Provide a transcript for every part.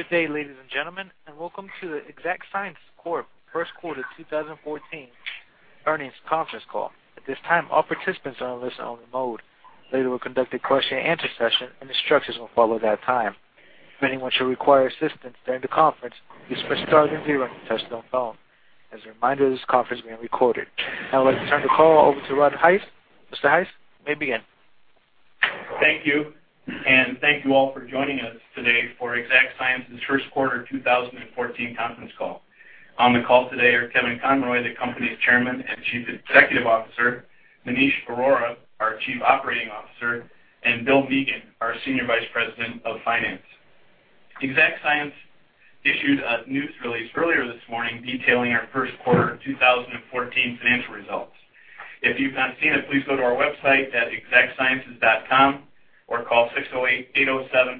Good day, ladies and gentlemen, and welcome to the Exact Sciences First Quarter 2014 Earnings Conference Call. At this time, all participants are in listen-only mode. Later we'll conduct a question-and-answer session, and instructions will follow that time. If anyone should require assistance during the conference, please press star and zero on your touch-tone phone. As a reminder, this conference is being recorded. Now I'd like to turn the call over to Rod Hice. Mr. Hice, you may begin. Thank you, and thank you all for joining us today for Exact Sciences First Quarter 2014 Conference Call. On the call today are Kevin Conroy, the company's Chairman and Chief Executive Officer; Maneesh Arora, our Chief Operating Officer; and Bill Mahan, our Senior Vice President of Finance. Exact Sciences issued a news release earlier this morning detailing our First Quarter 2014 financial results. If you've not seen it, please go to our website at exactsciences.com or call 608-807-4607,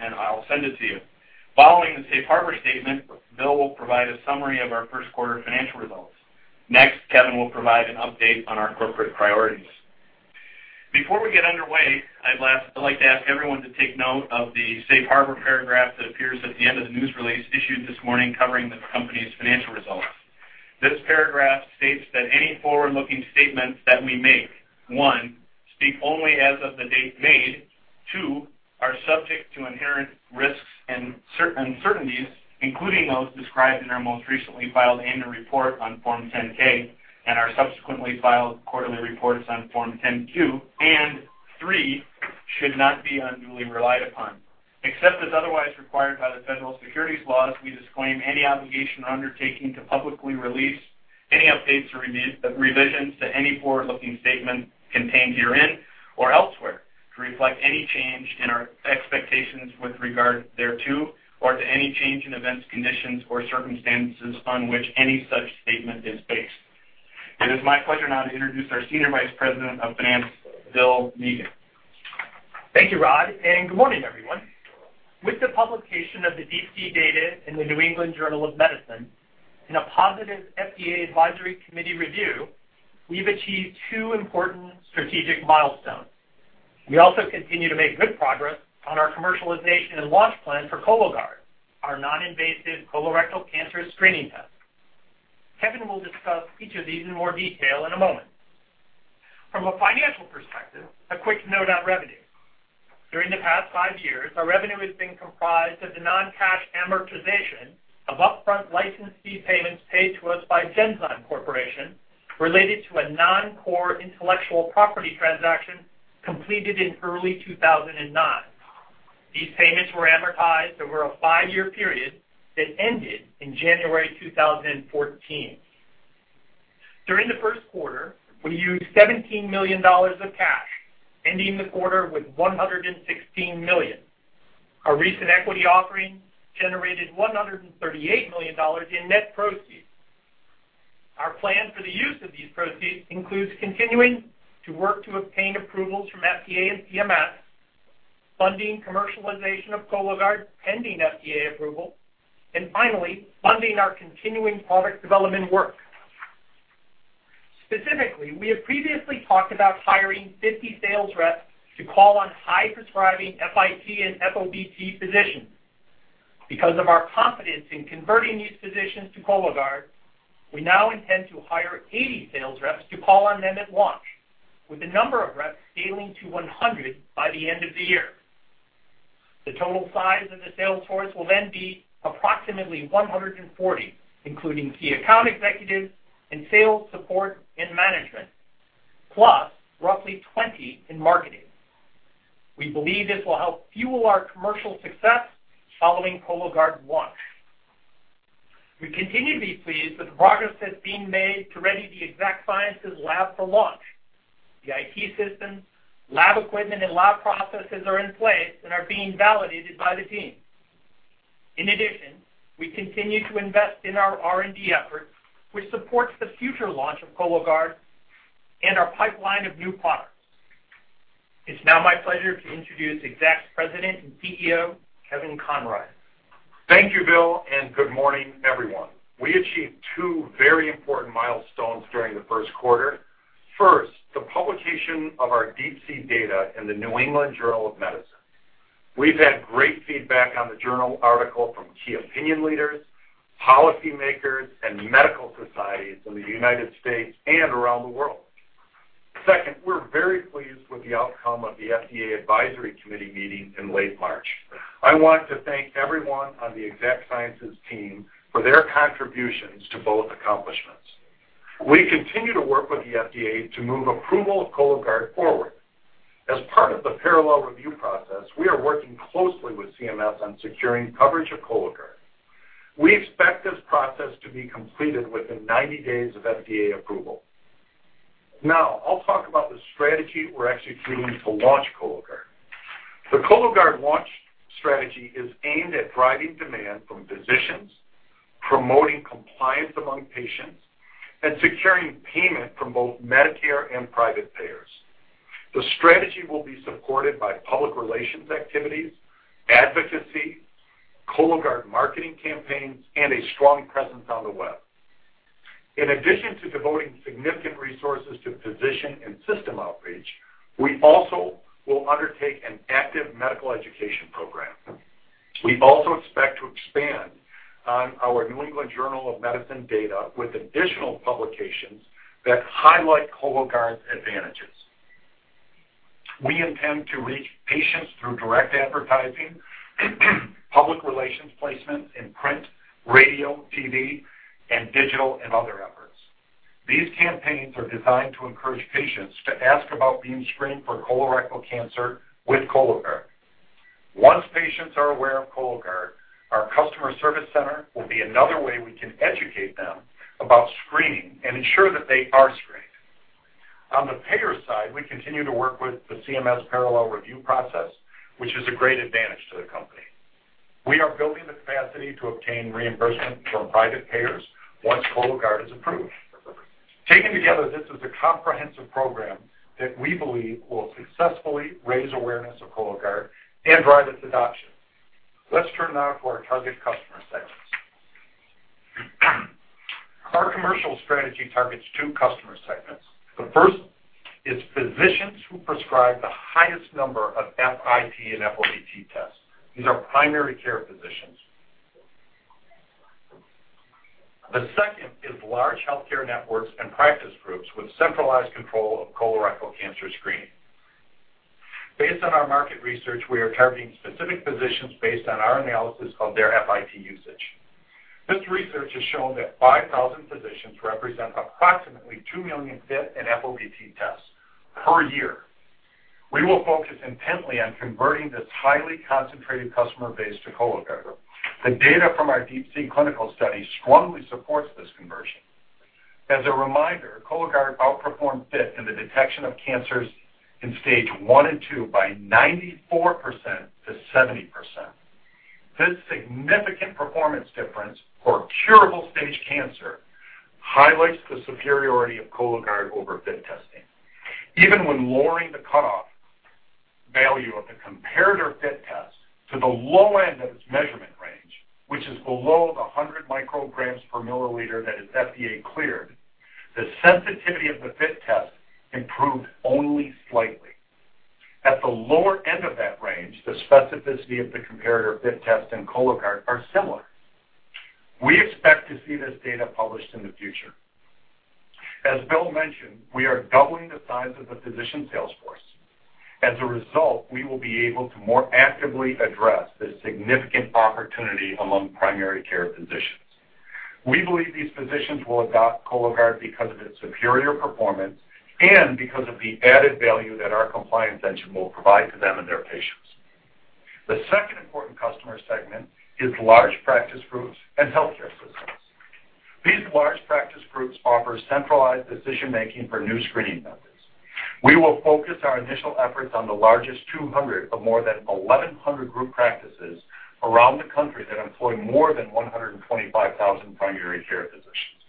and I'll send it to you. Following the safe harbor statement, Bill will provide a summary of our First Quarter financial results. Next, Kevin will provide an update on our corporate priorities. Before we get underway, I'd like to ask everyone to take note of the safe harbor paragraph that appears at the end of the news release issued this morning covering the company's financial results. This paragraph states that any forward-looking statements that we make: one, speak only as of the date made; two, are subject to inherent risks and uncertainties, including those described in our most recently filed annual report on Form 10-K and our subsequently filed quarterly reports on Form 10-Q; and three, should not be unduly relied upon. Except as otherwise required by the federal securities laws, we disclaim any obligation or undertaking to publicly release any updates or revisions to any forward-looking statement contained herein or elsewhere to reflect any change in our expectations with regard thereto, or to any change in events, conditions, or circumstances on which any such statement is based. It is my pleasure now to introduce our Senior Vice President of Finance, Bill Mahan. Thank you, Rod, and good morning, everyone. With the publication of the DeeP-C study data in the New England Journal of Medicine and a positive FDA advisory committee review, we've achieved two important strategic milestones. We also continue to make good progress on our commercialization and launch plan for Cologuard, our non-invasive colorectal cancer screening test. Kevin will discuss each of these in more detail in a moment. From a financial perspective, a quick note on revenue. During the past five years, our revenue has been comprised of the non-cash amortization of upfront license fee payments paid to us by Genzyme Corporation related to a non-core intellectual property transaction completed in early 2009. These payments were amortized over a five-year period that ended in January 2014. During the first quarter, we used $17 million of cash, ending the quarter with $116 million. Our recent equity offering generated $138 million in net proceeds. Our plan for the use of these proceeds includes continuing to work to obtain approvals from FDA and CMS, funding commercialization of Cologuard pending FDA approval, and finally, funding our continuing product development work. Specifically, we have previously talked about hiring 50 sales reps to call on high-prescribing FIT and FOBT physicians. Because of our confidence in converting these physicians to Cologuard, we now intend to hire 80 sales reps to call on them at launch, with the number of reps scaling to 100 by the end of the year. The total size of the sales force will then be approximately 140, including key account executives and sales support and management, plus roughly 20 in marketing. We believe this will help fuel our commercial success following Cologuard's launch. We continue to be pleased with the progress that's being made to ready the Exact Sciences lab for launch. The IT systems, lab equipment, and lab processes are in place and are being validated by the team. In addition, we continue to invest in our R&D efforts, which supports the future launch of Cologuard and our pipeline of new products. It's now my pleasure to introduce Exact's President and CEO, Kevin Conroy. Thank you, Bill, and good morning, everyone. We achieved two very important milestones during the first quarter. First, the publication of our DeeP-C data in the New England Journal of Medicine. We've had great feedback on the journal article from key opinion leaders, policymakers, and medical societies in the U.S. and around the world. Second, we're very pleased with the outcome of the FDA advisory committee meeting in late March. I want to thank everyone on the Exact Sciences team for their contributions to both accomplishments. We continue to work with the FDA to move approval of Cologuard forward. As part of the parallel review process, we are working closely with CMS on securing coverage of Cologuard. We expect this process to be completed within 90 days of FDA approval. Now, I'll talk about the strategy we're executing to launch Cologuard. The Cologuard launch strategy is aimed at driving demand from physicians, promoting compliance among patients, and securing payment from both Medicare and private payers. The strategy will be supported by public relations activities, advocacy, Cologuard marketing campaigns, and a strong presence on the web. In addition to devoting significant resources to physician and system outreach, we also will undertake an active medical education program. We also expect to expand on our New England Journal of Medicine data with additional publications that highlight Cologuard's advantages. We intend to reach patients through direct advertising, public relations placements in print, radio, TV, and digital, and other efforts. These campaigns are designed to encourage patients to ask about being screened for colorectal cancer with Cologuard. Once patients are aware of Cologuard, our customer service center will be another way we can educate them about screening and ensure that they are screened. On the payer side, we continue to work with the CMS parallel review process, which is a great advantage to the company. We are building the capacity to obtain reimbursement from private payers once Cologuard is approved. Taken together, this is a comprehensive program that we believe will successfully raise awareness of Cologuard and drive its adoption. Let's turn now to our target customer segments. Our commercial strategy targets two customer segments. The first is physicians who prescribe the highest number of FIT and FOBT tests. These are primary care physicians. The second is large healthcare networks and practice groups with centralized control of colorectal cancer screening. Based on our market research, we are targeting specific physicians based on our analysis of their FIT usage. This research has shown that 5,000 physicians represent approximately 2 million FIT and FOBT tests per year. We will focus intently on converting this highly concentrated customer base to Cologuard. The data from our DeeP-C clinical study strongly supports this conversion. As a reminder, Cologuard outperformed FIT in the detection of cancers in stage one and two by 94% to 70%. This significant performance difference for curable stage cancer highlights the superiority of Cologuard over FIT testing, even when lowering the cutoff value of the comparator FIT test to the low end of its measurement range, which is below the 100 micrograms per milliliter that is FDA cleared, the sensitivity of the FIT test improved only slightly. At the lower end of that range, the specificity of the comparator FIT test and Cologuard are similar. We expect to see this data published in the future. As Bill mentioned, we are doubling the size of the physician sales force. As a result, we will be able to more actively address this significant opportunity among primary care physicians. We believe these physicians will adopt Cologuard because of its superior performance and because of the added value that our compliance engine will provide to them and their patients. The second important customer segment is large practice groups and healthcare systems. These large practice groups offer centralized decision-making for new screening methods. We will focus our initial efforts on the largest 200 of more than 1,100 group practices around the country that employ more than 125,000 primary care physicians.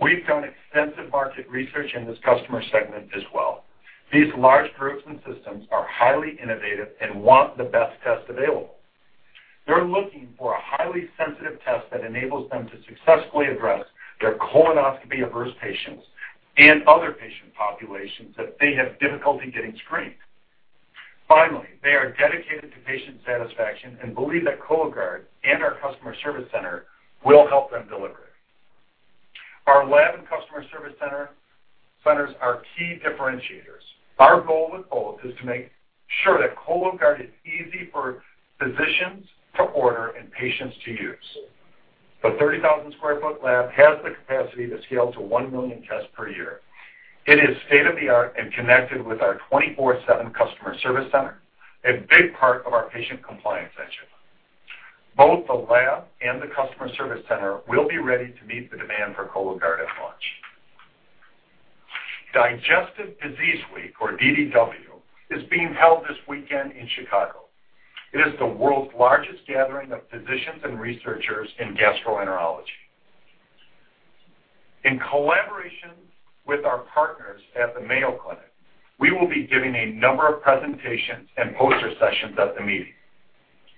We've done extensive market research in this customer segment as well. These large groups and systems are highly innovative and want the best test available. They're looking for a highly sensitive test that enables them to successfully address their colonoscopy-averse patients and other patient populations that they have difficulty getting screened. Finally, they are dedicated to patient satisfaction and believe that Cologuard and our customer service center will help them deliver it. Our lab and customer service centers are key differentiators. Our goal with both is to make sure that Cologuard is easy for physicians to order and patients to use. The 30,000 sq ft lab has the capacity to scale to 1 million tests per year. It is state-of-the-art and connected with our 24/7 customer service center, a big part of our patient compliance engine. Both the lab and the customer service center will be ready to meet the demand for Cologuard at launch. Digestive Disease Week, or DDW, is being held this weekend in Chicago. It is the world's largest gathering of physicians and researchers in gastroenterology. In collaboration with our partners at the Mayo Clinic, we will be giving a number of presentations and poster sessions at the meeting.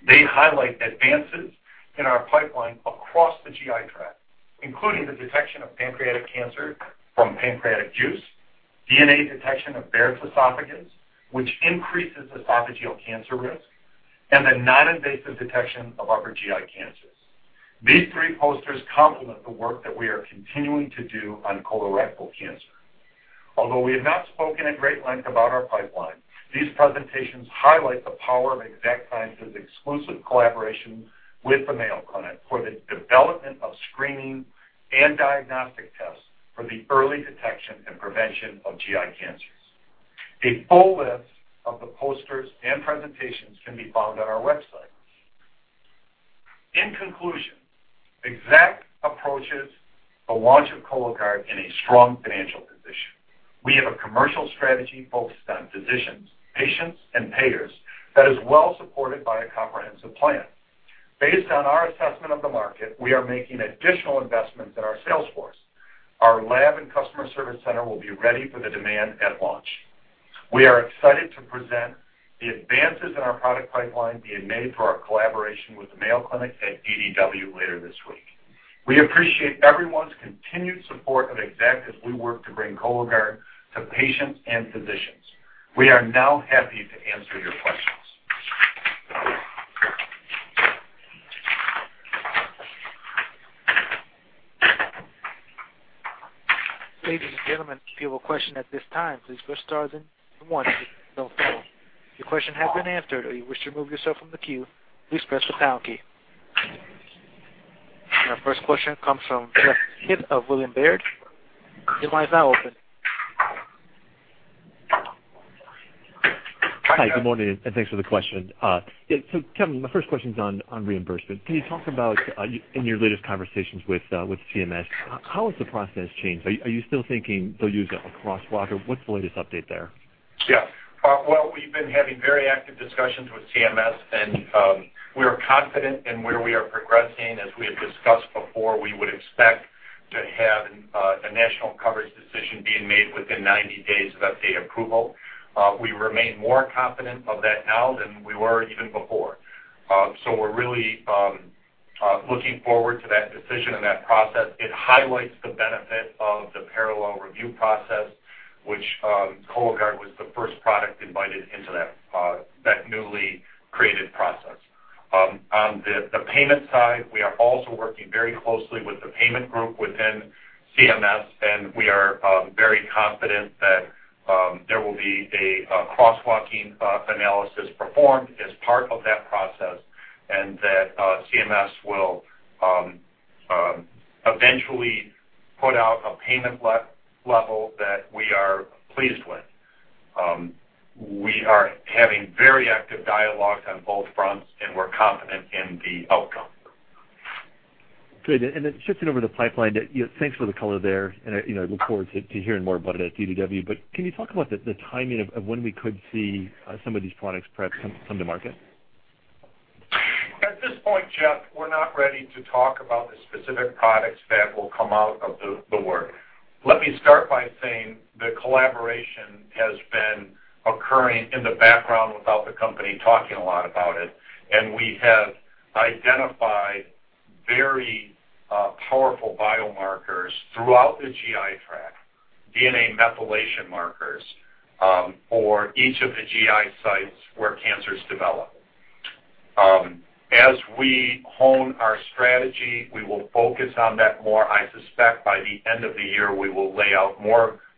They highlight advances in our pipeline across the GI tract, including the detection of pancreatic cancer from pancreatic juice, DNA detection of Barrett's esophagus, which increases esophageal cancer risk, and the non-invasive detection of upper GI cancers. These three posters complement the work that we are continuing to do on colorectal cancer. Although we have not spoken at great length about our pipeline, these presentations highlight the power of Exact Sciences' exclusive collaboration with the Mayo Clinic for the development of screening and diagnostic tests for the early detection and prevention of GI cancers. A full list of the posters and presentations can be found on our website. In conclusion, Exact approaches the launch of Cologuard in a strong financial position. We have a commercial strategy focused on physicians, patients, and payers that is well supported by a comprehensive plan. Based on our assessment of the market, we are making additional investments in our sales force. Our lab and customer service center will be ready for the demand at launch. We are excited to present the advances in our product pipeline being made for our collaboration with the Mayo Clinic at DDW later this week. We appreciate everyone's continued support of Exact Sciences as we work to bring Cologuard to patients and physicians. We are now happy to answer your questions. Ladies and gentlemen, if you have a question at this time, please press star then one. If you do not feel your question has been answered or you wish to remove yourself from the queue, please press the pound key. Our first question comes from Jeff Elliott of William Baird. Your line is now open. Hi, good morning, and thanks for the question. Kevin, my first question is on reimbursement. Can you talk about in your latest conversations with CMS, how has the process changed? Are you still thinking they'll use a crosswalk? What's the latest update there? Yeah. We have been having very active discussions with CMS, and we are confident in where we are progressing. As we have discussed before, we would expect to have a national coverage decision being made within 90 days of FDA approval. We remain more confident of that now than we were even before. We are really looking forward to that decision and that process. It highlights the benefit of the parallel review process, which Cologuard was the first product invited into that newly created process. On the payment side, we are also working very closely with the payment group within CMS, and we are very confident that there will be a crosswalking analysis performed as part of that process and that CMS will eventually put out a payment level that we are pleased with. We are having very active dialogues on both fronts, and we are confident in the outcome. Good. And then shifting over to the pipeline, thanks for the color there, and I look forward to hearing more about it at DDW. Can you talk about the timing of when we could see some of these products perhaps come to market? At this point, Jeff, we're not ready to talk about the specific products that will come out of the work. Let me start by saying the collaboration has been occurring in the background without the company talking a lot about it. We have identified very powerful biomarkers throughout the GI tract, DNA methylation markers for each of the GI sites where cancers develop. As we hone our strategy, we will focus on that more. I suspect by the end of the year, we will lay out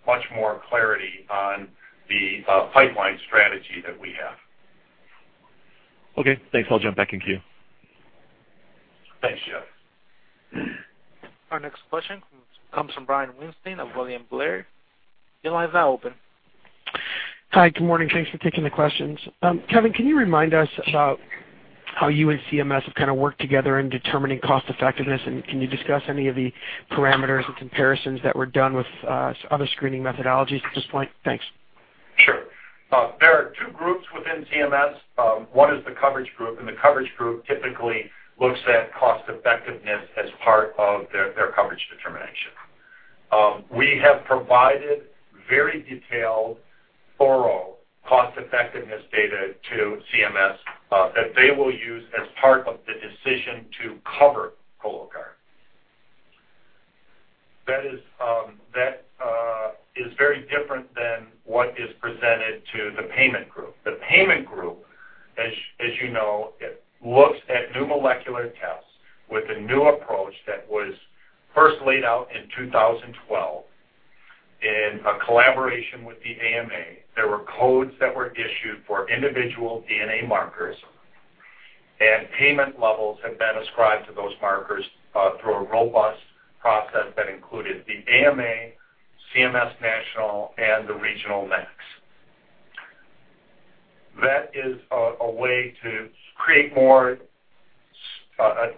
much more clarity on the pipeline strategy that we have. Okay. Thanks. I'll jump back in queue. Thanks, Jeff. Our next question comes from Brian Baranick of William Blair. Your line is now open. Hi, good morning. Thanks for taking the questions. Kevin, can you remind us about how you and CMS have kind of worked together in determining cost-effectiveness, and can you discuss any of the parameters and comparisons that were done with other screening methodologies at this point? Thanks. Sure. There are two groups within CMS. One is the coverage group, and the coverage group typically looks at cost-effectiveness as part of their coverage determination. We have provided very detailed, thorough cost-effectiveness data to CMS that they will use as part of the decision to cover Cologuard. That is very different than what is presented to the payment group. The payment group, as you know, looks at new molecular tests with a new approach that was first laid out in 2012 in a collaboration with the AMA. There were codes that were issued for individual DNA markers, and payment levels have been ascribed to those markers through a robust process that included the AMA, CMS National, and the regional MACs. That is a way to create a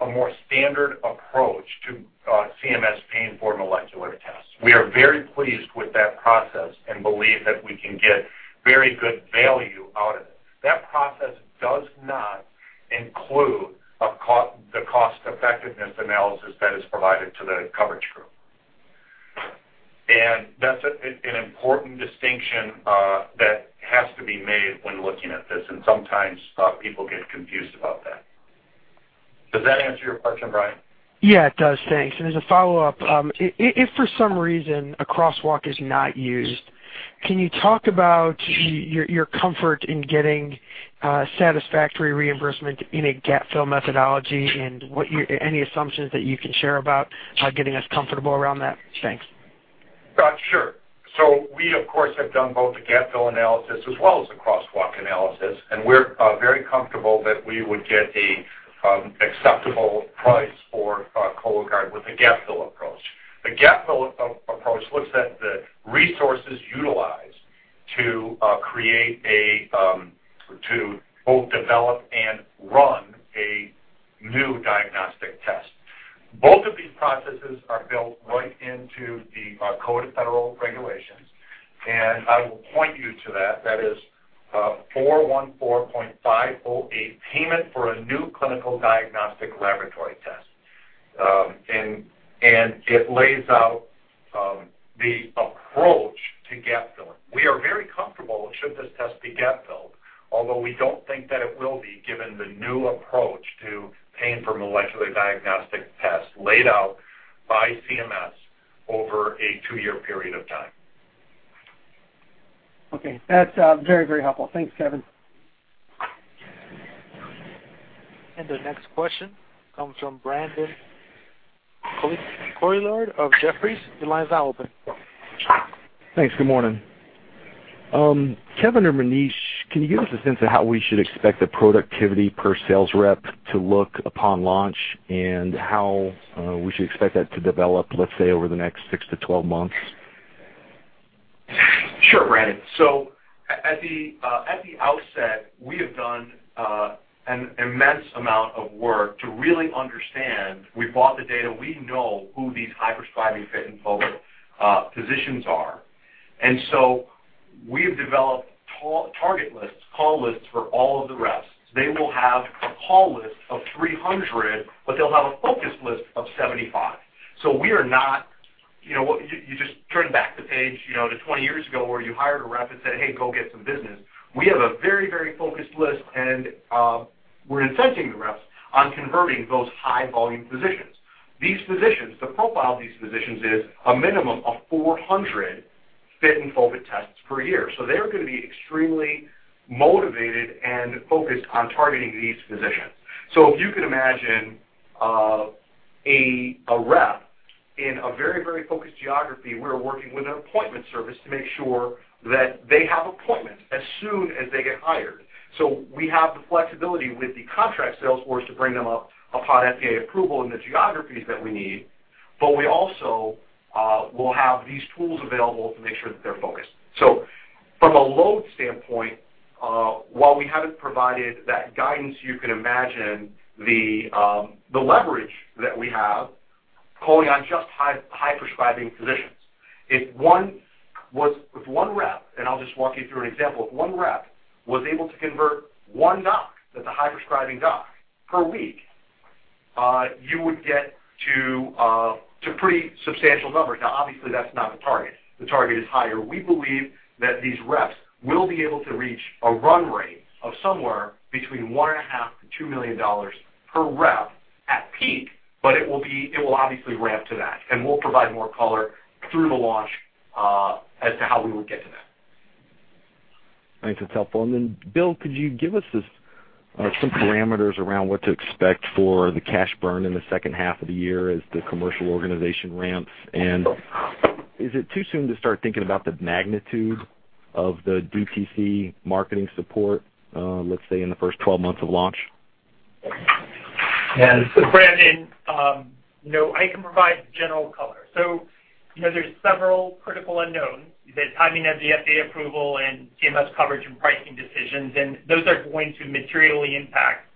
more standard approach to CMS paying for molecular tests. We are very pleased with that process and believe that we can get very good value out of it. That process does not include the cost-effectiveness analysis that is provided to the coverage group. That's an important distinction that has to be made when looking at this, and sometimes people get confused about that. Does that answer your question, Brian? Yeah, it does. Thanks. As a follow-up, if for some reason a crosswalk is not used, can you talk about your comfort in getting satisfactory reimbursement in a gap-fill methodology and any assumptions that you can share about getting us comfortable around that? Thanks. Sure. We, of course, have done both the gap-fill analysis as well as the crosswalk analysis, and we're very comfortable that we would get an acceptable price for Cologuard with a gap-fill approach. The gap-fill approach looks at the resources utilized to both develop and run a new diagnostic test. Both of these processes are built right into the Code of Federal Regulations, and I will point you to that. That is 414.508, payment for a new clinical diagnostic laboratory test. It lays out the approach to gap-filling. We are very comfortable should this test be gap-filled, although we don't think that it will be given the new approach to paying for molecular diagnostic tests laid out by CMS over a two-year period of time. Okay. That's very, very helpful. Thanks, Kevin. The next question comes from Brandon Couillard of Jefferies. Your line is now open. Thanks. Good morning. Kevin or Maneesh can you give us a sense of how we should expect the productivity per sales rep to look upon launch and how we should expect that to develop, let's say, over the next six to 12 months? Sure, Brandon. At the outset, we have done an immense amount of work to really understand. We've brought the data. We know who these high-prescribing FIT and FOBT physicians are. We have developed target lists, call lists for all of the reps. They will have a call list of 300, but they'll have a focus list of 75. We are not, you just turn back the page to 20 years ago where you hired a rep and said, "Hey, go get some business." We have a very, very focused list, and we're incenting the reps on converting those high-volume physicians. The profile of these physicians is a minimum of 400 FIT and FOBT tests per year. They're going to be extremely motivated and focused on targeting these physicians. If you could imagine a rep in a very, very focused geography, we're working with an appointment service to make sure that they have appointments as soon as they get hired. We have the flexibility with the contract sales force to bring them up upon FDA approval in the geographies that we need, but we also will have these tools available to make sure that they're focused. From a load standpoint, while we haven't provided that guidance, you can imagine the leverage that we have calling on just high-prescribing physicians. If one rep, and I'll just walk you through an example, if one rep was able to convert one doc, that's a high-prescribing doc, per week, you would get to pretty substantial numbers. Obviously, that's not the target. The target is higher. We believe that these reps will be able to reach a run rate of somewhere between $1.5 million-$2 million per rep at peak, but it will obviously ramp to that. We will provide more color through the launch as to how we would get to that. Thanks. That's helpful. Bill, could you give us some parameters around what to expect for the cash burn in the second half of the year as the commercial organization ramps? Is it too soon to start thinking about the magnitude of the DTC marketing support, let's say, in the first 12 months of launch? Yeah. So Brandon, I can provide general color. There are several critical unknowns. You said timing of the FDA approval and CMS coverage and pricing decisions, and those are going to materially impact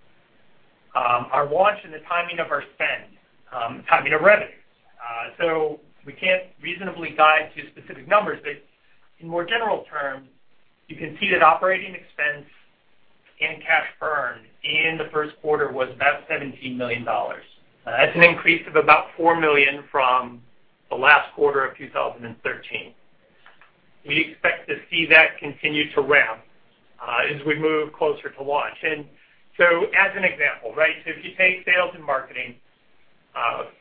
our launch and the timing of our spend, timing of revenues. We cannot reasonably guide to specific numbers, but in more general terms, you can see that operating expense and cash burn in the first quarter was about $17 million. That is an increase of about $4 million from the last quarter of 2013. We expect to see that continue to ramp as we move closer to launch. As an example, right, if you take sales and marketing,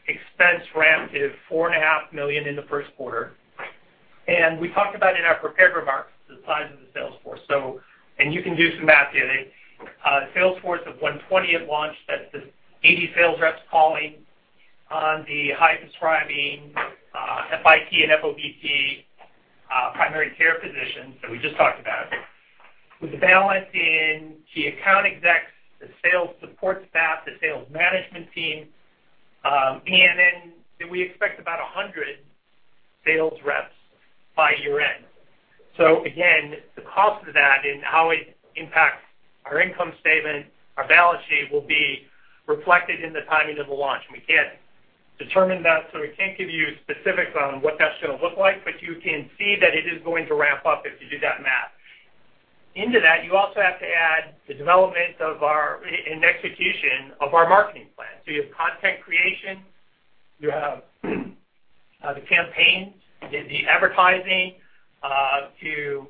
expense ramped to $4.5 million in the first quarter. We talked about in our prepared remarks the size of the sales force. You can do some math here. Sales force of 120 at launch, that's 80 sales reps calling on the high-prescribing FIT and FOBT primary care physicians that we just talked about. With the balance in the account execs, the sales support staff, the sales management team, and then we expect about 100 sales reps by year-end. Again, the cost of that and how it impacts our income statement, our balance sheet will be reflected in the timing of the launch. We can't determine that, so we can't give you specifics on what that's going to look like, but you can see that it is going to ramp up if you do that math. Into that, you also have to add the development of our and execution of our marketing plan. You have content creation, you have the campaigns, the advertising to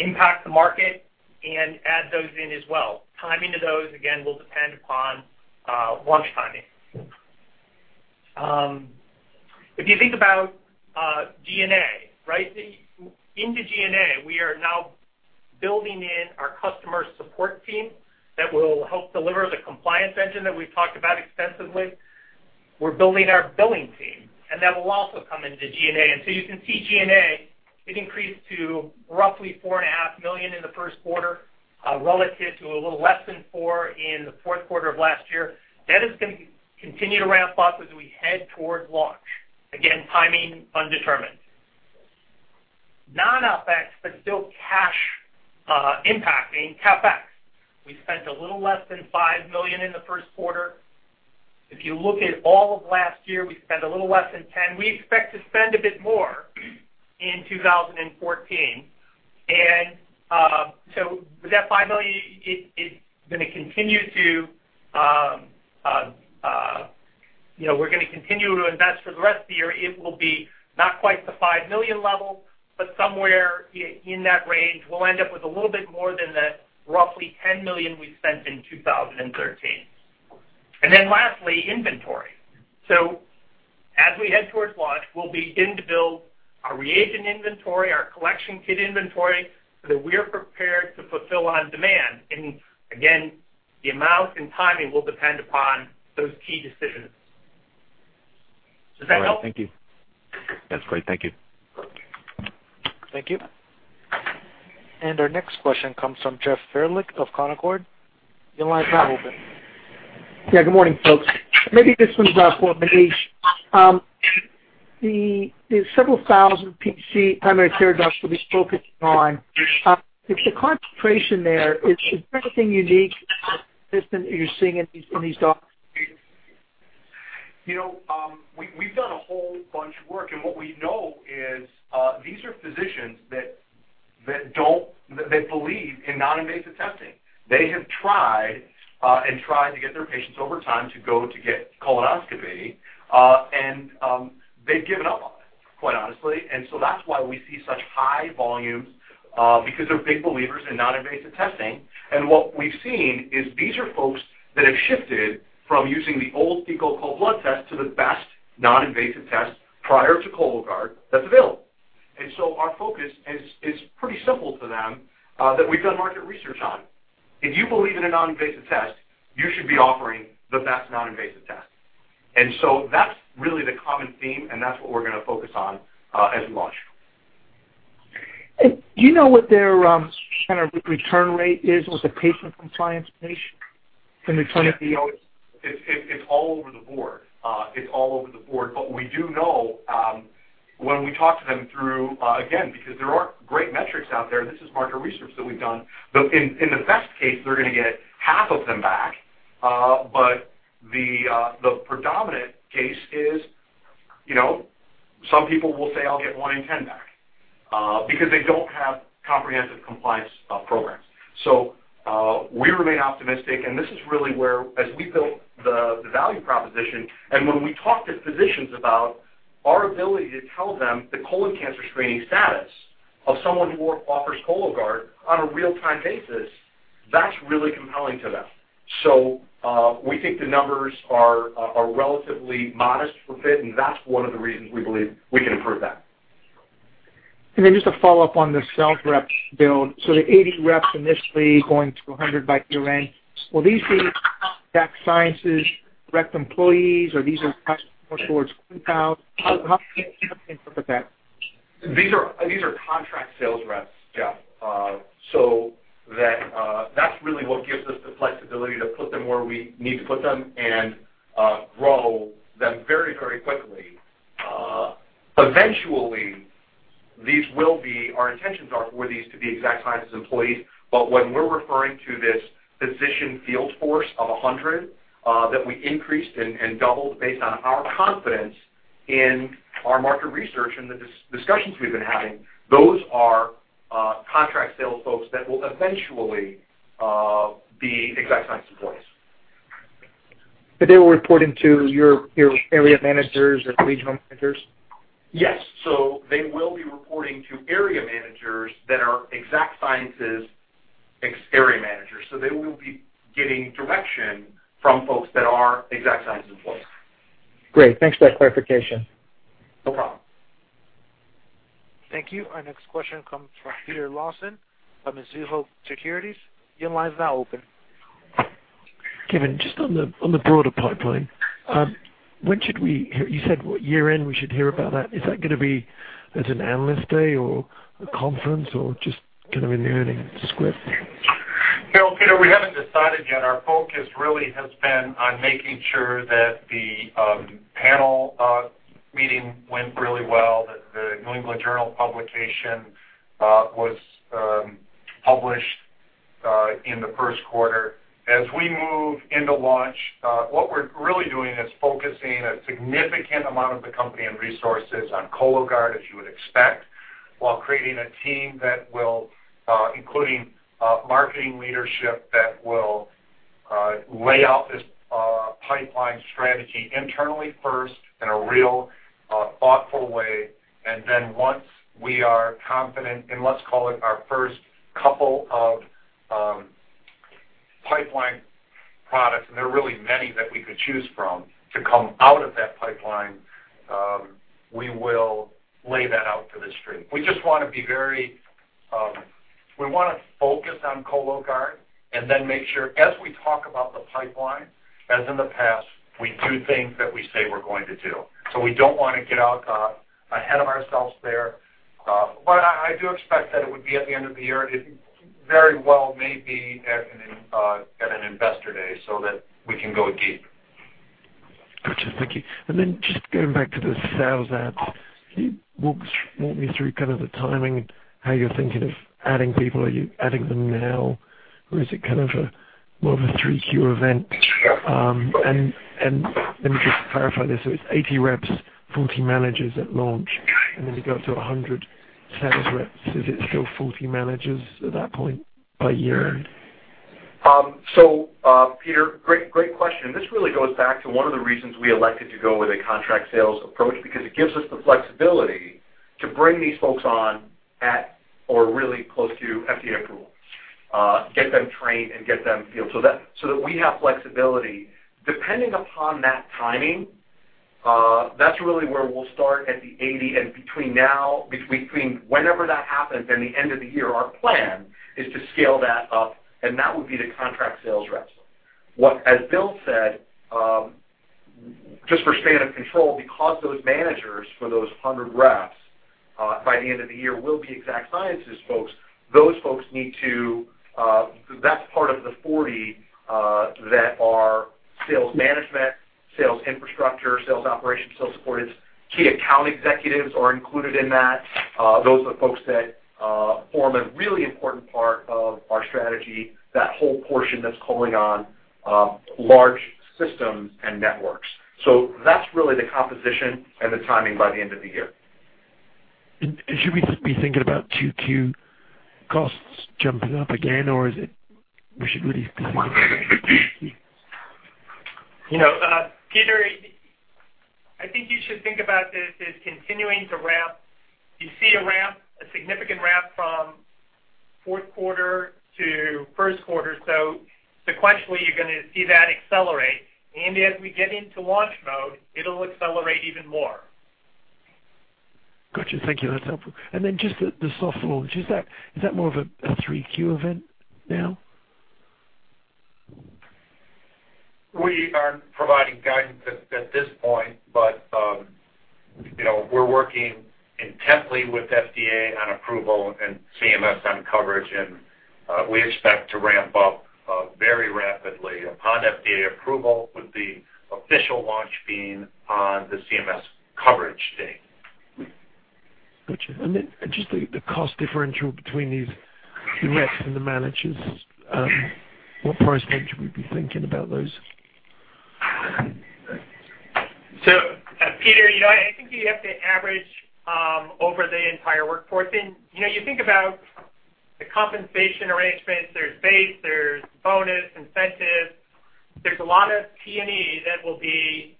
impact the market, and add those in as well. Timing of those, again, will depend upon launch timing. If you think about G&A, right, into G&A, we are now building in our customer support team that will help deliver the compliance engine that we've talked about extensively. We're building our billing team, and that will also come into G&A. You can see G&A, it increased to roughly $4.5 million in the first quarter relative to a little less than $4 million in the fourth quarter of last year. That is going to continue to ramp up as we head towards launch. Again, timing undetermined. Non-OpEx, but still cash impacting, CapEx. We spent a little less than $5 million in the first quarter. If you look at all of last year, we spent a little less than $10 million. We expect to spend a bit more in 2014. With that $5 million, it's going to continue to, we're going to continue to invest for the rest of the year. It will be not quite the $5 million level, but somewhere in that range. We'll end up with a little bit more than the roughly $10 million we spent in 2013. Lastly, inventory. As we head towards launch, we'll begin to build our reagent inventory, our collection kit inventory so that we're prepared to fulfill on demand. Again, the amount and timing will depend upon those key decisions. Does that help? All right. Thank you. That's great. Thank you. Thank you. Our next question comes from Jeff Barlow of Canaccord. Your line is now open. Yeah. Good morning, folks. Maybe this one's for Maneesh. The several thousand PC primary care docs we'll be focusing on, is the concentration there, is there anything unique that you're seeing in these docs? You know, we've done a whole bunch of work, and what we know is these are physicians that believe in non-invasive testing. They have tried and tried to get their patients over time to go to get colonoscopy, and they've given up on it, quite honestly. That is why we see such high volumes because they're big believers in non-invasive testing. What we've seen is these are folks that have shifted from using the old fecal occult blood test to the best non-invasive test prior to Cologuard that's available. Our focus is pretty simple to them that we've done market research on. If you believe in a non-invasive test, you should be offering the best non-invasive test. That is really the common theme, and that's what we're going to focus on as we launch. Do you know what their kind of return rate is with the patient compliance niche and returning the [OS]? It's all over the board. We do know when we talk to them through, again, because there are great metrics out there, this is market research that we've done. In the best case, they're going to get half of them back, but the predominant case is some people will say, "I'll get 1 in 10 back," because they don't have comprehensive compliance programs. We remain optimistic, and this is really where, as we build the value proposition, and when we talk to physicians about our ability to tell them the colon cancer screening status of someone who offers Cologuard on a real-time basis, that's really compelling to them. We think the numbers are relatively modest for FIT, and that's one of the reasons we believe we can improve that. Just to follow up on the sales rep build, so the 80 reps initially going to 100 by year-end, will these be Exact Sciences direct employees, or are these more towards clean paths? How can you interpret that? These are contract sales reps, Jeff, so that is really what gives us the flexibility to put them where we need to put them and grow them very, very quickly. Eventually, these will be, our intentions are for these to be Exact Sciences employees, but when we are referring to this physician field force of 100 that we increased and doubled based on our confidence in our market research and the discussions we have been having, those are contract sales folks that will eventually be Exact Sciences employees. They will report into your area managers or regional managers? Yes. They will be reporting to area managers that are Exact Sciences area managers. They will be getting direction from folks that are Exact Sciences employees. Great. Thanks for that clarification. No problem. Thank you. Our next question comes from Peter Lawson of Mizuho Securities. Your line is now open. Kevin, just on the broader pipeline, when should we hear you said what year-end we should hear about that? Is that going to be as an analyst day or a conference or just kind of in the earnings script? Peter, we haven't decided yet. Our focus really has been on making sure that the panel meeting went really well, that the New England Journal publication was published in the first quarter. As we move into launch, what we're really doing is focusing a significant amount of the company and resources on Cologuard, as you would expect, while creating a team that will, including marketing leadership, that will lay out this pipeline strategy internally first in a real thoughtful way. Once we are confident in, let's call it our first couple of pipeline products, and there are really many that we could choose from, to come out of that pipeline, we will lay that out to the stream. We just want to be very, we want to focus on Cologuard and then make sure, as we talk about the pipeline, as in the past, we do things that we say we're going to do. We don't want to get out ahead of ourselves there. I do expect that it would be at the end of the year. It very well may be at an investor day so that we can go deep. Gotcha. Thank you. And then just going back to the sales ads, can you walk me through kind of the timing, how you're thinking of adding people? Are you adding them now, or is it kind of more of a 3Q event? And let me just clarify this. So it's 80 reps, 40 managers at launch, and then you go up to 100 sales reps. Is it still 40 managers at that point by year-end? Peter, great question. This really goes back to one of the reasons we elected to go with a contract sales approach because it gives us the flexibility to bring these folks on at or really close to FDA approval, get them trained, and get them so that we have flexibility. Depending upon that timing, that's really where we'll start at the 80. Between now, between whenever that happens and the end of the year, our plan is to scale that up, and that would be the contract sales reps. As Bill said, just for span of control, because those managers for those 100 reps by the end of the year will be Exact Sciences folks, those folks need to that's part of the 40 that are sales management, sales infrastructure, sales operations, sales support. Key account executives are included in that. Those are the folks that form a really important part of our strategy, that whole portion that's calling on large systems and networks. That is really the composition and the timing by the end of the year. Should we be thinking about 2Q costs jumping up again, or is it we should really be thinking about 2Q? Peter, I think you should think about this as continuing to ramp. You see a ramp, a significant ramp from fourth quarter to first quarter. Sequentially, you're going to see that accelerate. As we get into launch mode, it'll accelerate even more. Gotcha. Thank you. That's helpful. And then just the soft launch, is that more of a 3Q event now? We aren't providing guidance at this point, but we're working intensely with FDA on approval and CMS on coverage, and we expect to ramp up very rapidly upon FDA approval with the official launch being on the CMS coverage date. Gotcha. And then just the cost differential between these reps and the managers, what price point should we be thinking about those? Peter, I think you have to average over the entire workforce. You think about the compensation arrangements, there's base, there's bonus, incentives. There's a lot of P&E that will be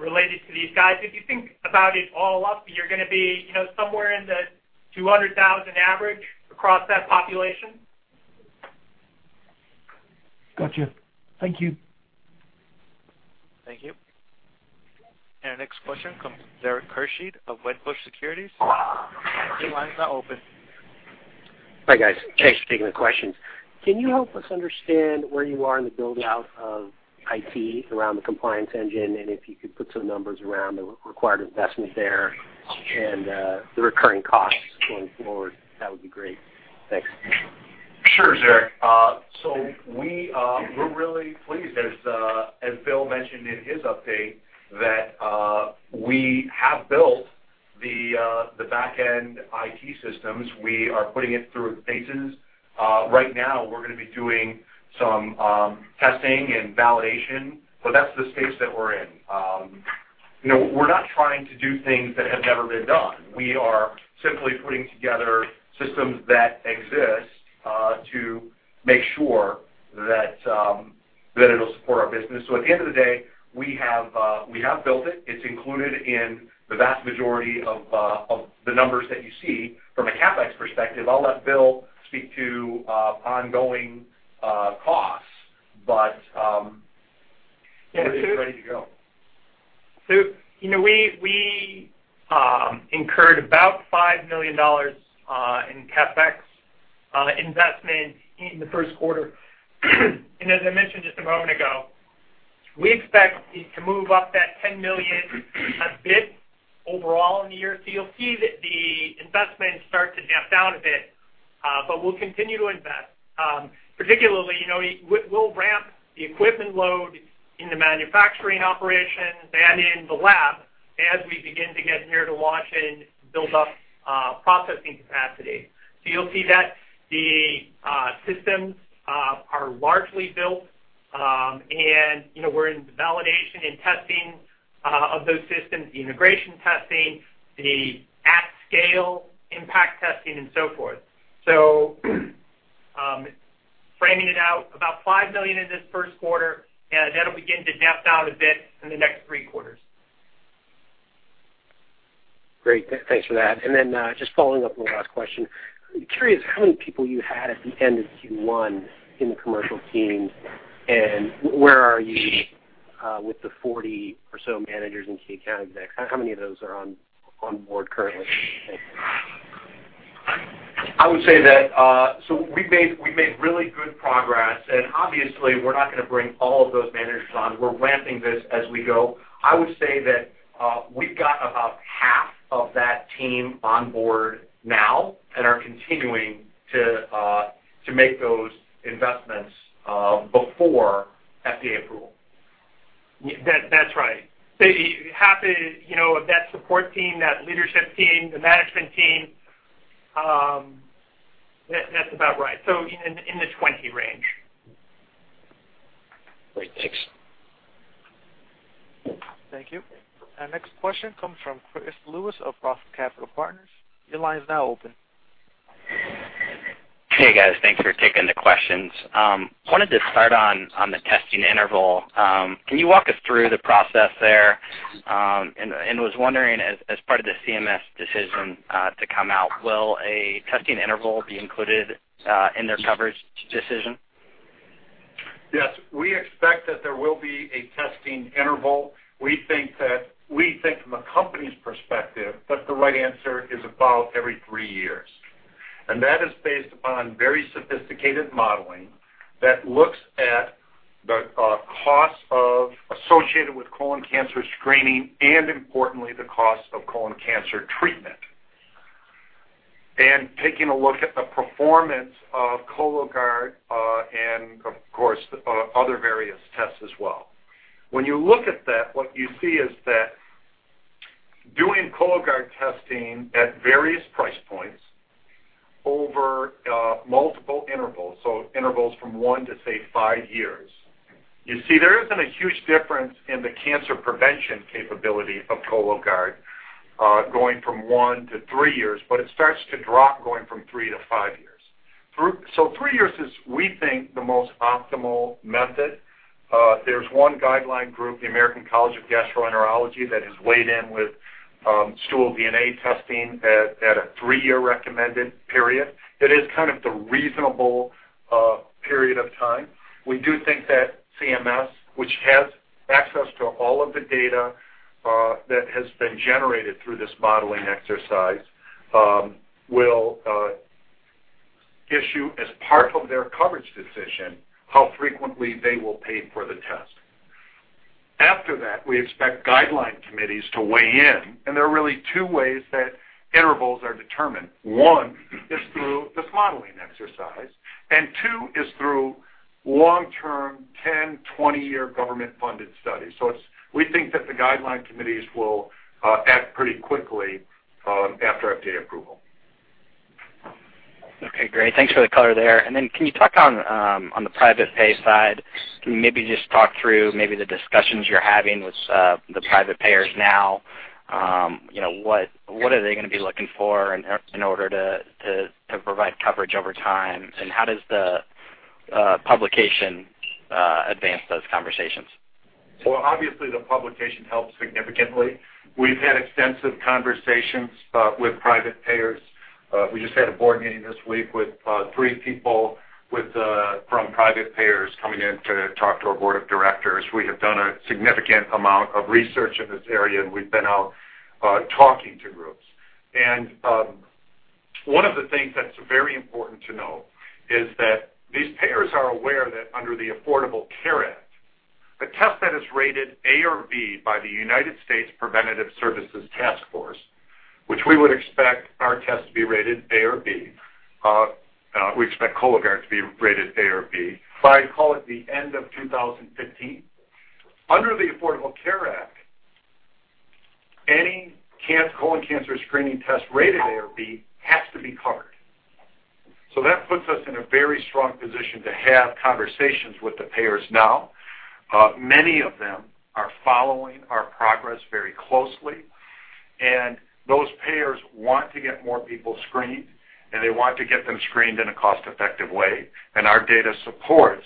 related to these guys. If you think about it all up, you're going to be somewhere in the $200,000 average across that population. Gotcha. Thank you. Thank you. Our next question comes from [Derek Kershid] of Wedbush Securities. Your line is now open. Hi guys. Thanks for taking the questions. Can you help us understand where you are in the buildout of IT around the compliance engine and if you could put some numbers around the required investment there and the recurring costs going forward? That would be great. Thanks. Sure, Derek. So we're really pleased. As Bill mentioned in his update, that we have built the back-end IT systems. We are putting it through phases. Right now, we're going to be doing some testing and validation, but that's the stage that we're in. We're not trying to do things that have never been done. We are simply putting together systems that exist to make sure that it'll support our business. At the end of the day, we have built it. It's included in the vast majority of the numbers that you see. From a CapEx perspective, I'll let Bill speak to ongoing costs, but it's ready to go. We incurred about $5 million in CapEx investment in the first quarter. As I mentioned just a moment ago, we expect to move up that $10 million a bit overall in the year. You'll see that the investments start to damp down a bit, but we'll continue to invest. Particularly, we'll ramp the equipment load in the manufacturing operations and in the lab as we begin to get near to launch and build up processing capacity. You'll see that the systems are largely built, and we're in the validation and testing of those systems, the integration testing, the at-scale impact testing, and so forth. Framing it out, about $5 million in this first quarter, and that'll begin to damp down a bit in the next three quarters. Great. Thanks for that. Just following up on the last question, curious how many people you had at the end of Q1 in the commercial teams, and where are you with the 40 or so managers and key account execs? How many of those are on board currently? I would say that, so we made really good progress, and obviously, we're not going to bring all of those managers on. We're ramping this as we go. I would say that we've got about half of that team on board now and are continuing to make those investments before FDA approval. That's right. Half of that support team, that leadership team, the management team, that's about right. So in the 20 range. Great. Thanks. Thank you. Our next question comes from Chris Lewis of Roth Capital Partners. Your line is now open. Hey guys, thanks for taking the questions. Wanted to start on the testing interval. Can you walk us through the process there? I was wondering, as part of the CMS decision to come out, will a testing interval be included in their coverage decision? Yes. We expect that there will be a testing interval. We think from a company's perspective that the right answer is about every three years. That is based upon very sophisticated modeling that looks at the costs associated with colon cancer screening and, importantly, the cost of colon cancer treatment and taking a look at the performance of Cologuard and, of course, other various tests as well. When you look at that, what you see is that doing Cologuard testing at various price points over multiple intervals, intervals from one to, say, five years, you see there is not a huge difference in the cancer prevention capability of Cologuard going from one to three years, but it starts to drop going from three to five years. Three years is, we think, the most optimal method. There's one guideline group, the American College of Gastroenterology, that has weighed in with stool DNA testing at a three-year recommended period. It is kind of the reasonable period of time. We do think that CMS, which has access to all of the data that has been generated through this modeling exercise, will issue, as part of their coverage decision, how frequently they will pay for the test. After that, we expect guideline committees to weigh in, and there are really two ways that intervals are determined. One is through this modeling exercise, and two is through long-term, 10, 20-year government-funded studies. We think that the guideline committees will act pretty quickly after FDA approval. Okay. Great. Thanks for the color there. Can you talk on the private pay side? Can you maybe just talk through maybe the discussions you're having with the private payers now? What are they going to be looking for in order to provide coverage over time? How does the publication advance those conversations? Obviously, the publication helps significantly. We've had extensive conversations with private payers. We just had a board meeting this week with three people from private payers coming in to talk to our board of directors. We have done a significant amount of research in this area, and we've been out talking to groups. One of the things that's very important to know is that these payers are aware that under the Affordable Care Act, a test that is rated A or B by the U.S. Preventive Services Task Force, which we would expect our test to be rated A or B—we expect Cologuard to be rated A or B—by, call it, the end of 2015, under the Affordable Care Act, any colon cancer screening test rated A or B has to be covered. That puts us in a very strong position to have conversations with the payers now. Many of them are following our progress very closely, and those payers want to get more people screened, and they want to get them screened in a cost-effective way. Our data supports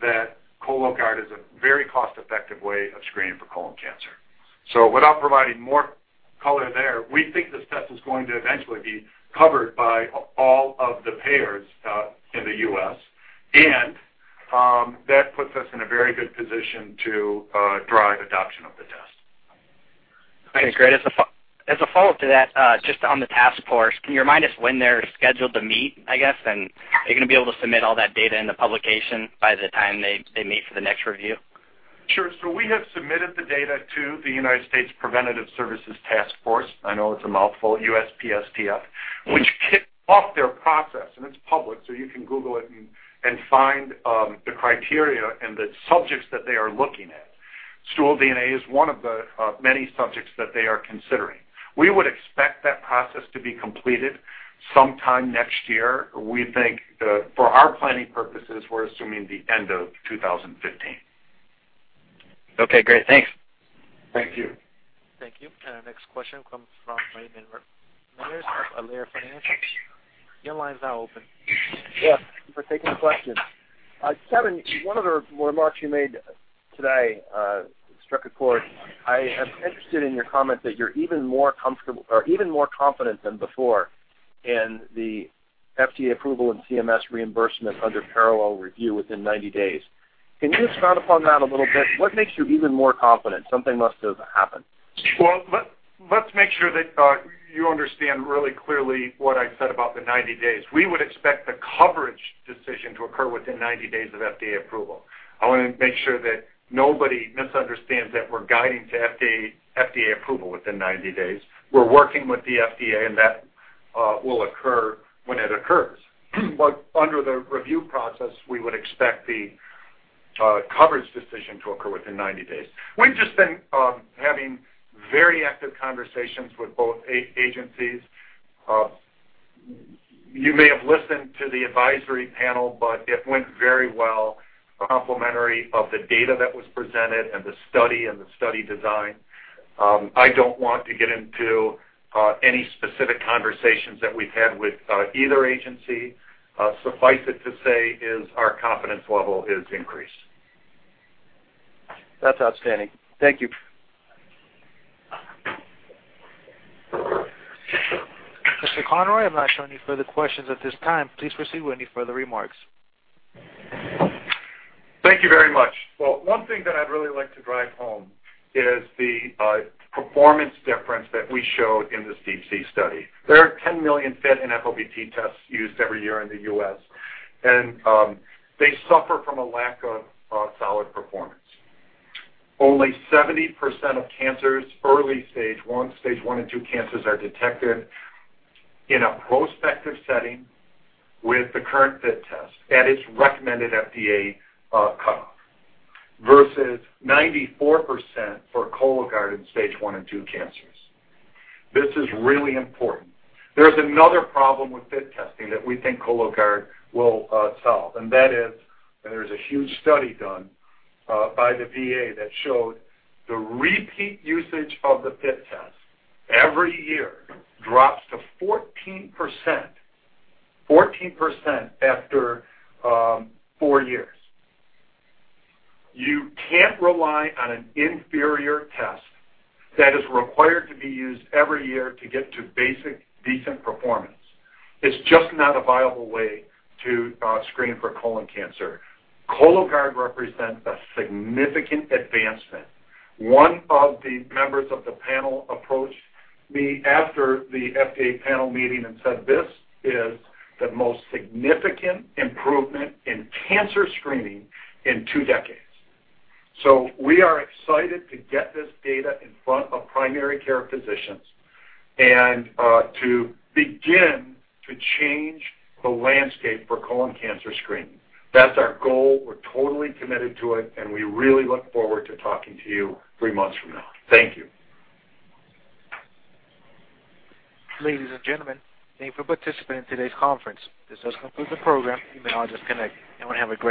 that Cologuard is a very cost-effective way of screening for colon cancer. Without providing more color there, we think this test is going to eventually be covered by all of the payers in the U.S., and that puts us in a very good position to drive adoption of the test. Okay. Great. As a follow-up to that, just on the task force, can you remind us when they're scheduled to meet, I guess? Are you going to be able to submit all that data in the publication by the time they meet for the next review? Sure. So we have submitted the data to the United States Preventive Services Task Force. I know it's a mouthful, USPSTF, which kicked off their process, and it's public, so you can Google it and find the criteria and the subjects that they are looking at. Stool DNA is one of the many subjects that they are considering. We would expect that process to be completed sometime next year. We think for our planning purposes, we're assuming the end of 2015. Okay. Great. Thanks. Thank you. Thank you. Our next question comes from at Allaire Financial. Your line is now open. Yes. Thank you for taking the question. Kevin, one of the remarks you made today struck a chord. I am interested in your comment that you're even more comfortable or even more confident than before in the FDA approval and CMS reimbursement under parallel review within 90 days. Can you expound upon that a little bit? What makes you even more confident? Something must have happened. Let's make sure that you understand really clearly what I said about the 90 days. We would expect the coverage decision to occur within 90 days of FDA approval. I want to make sure that nobody misunderstands that we're guiding to FDA approval within 90 days. We're working with the FDA, and that will occur when it occurs. Under the review process, we would expect the coverage decision to occur within 90 days. We've just been having very active conversations with both agencies. You may have listened to the advisory panel, but it went very well. Complimentary of the data that was presented and the study and the study design. I don't want to get into any specific conversations that we've had with either agency. Suffice it to say is our confidence level has increased. That's outstanding. Thank you. Mr. Conroy, I'm not showing any further questions at this time. Please proceed with any further remarks. Thank you very much. One thing that I'd really like to drive home is the performance difference that we showed in the DeeP-C study. There are 10 million FIT and FOBT tests used every year in the U.S., and they suffer from a lack of solid performance. Only 70% of cancers, early stage one, stage one and two cancers, are detected in a prospective setting with the current FIT test at its recommended FDA cutoff versus 94% for Cologuard in stage one and two cancers. This is really important. There's another problem with FIT testing that we think Cologuard will solve, and that is, there's a huge study done by the VA that showed the repeat usage of the FIT test every year drops to 14%, 14% after four years. You can't rely on an inferior test that is required to be used every year to get to basic, decent performance. It's just not a viable way to screen for colon cancer. Cologuard represents a significant advancement. One of the members of the panel approached me after the FDA panel meeting and said, "This is the most significant improvement in cancer screening in two decades." We are excited to get this data in front of primary care physicians and to begin to change the landscape for colon cancer screening. That's our goal. We're totally committed to it, and we really look forward to talking to you three months from now. Thank you. Ladies and gentlemen, thank you for participating in today's conference. This does conclude the program. You may all disconnect. No one have any.